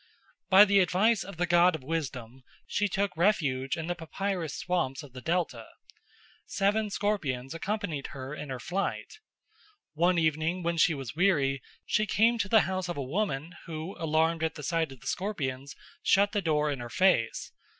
By the advice of the god of wisdom she took refuge in the papyrus swamps of the Delta. Seven scorpions accompanied her in her flight. One evening when she was weary she came to the house of a woman, who, alarmed at the sight of the scorpions, shut the door in her face.